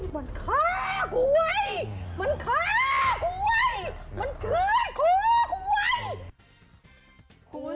มันฆ่ากูว่ะเย่